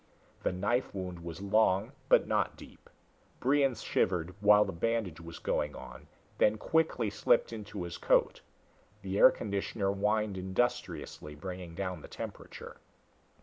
The knife wound was long, but not deep. Brion shivered while the bandage was going on, then quickly slipped into his coat. The air conditioner whined industriously, bringing down the temperature.